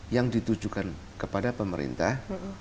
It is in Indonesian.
yang ditujukan kepada pemerintah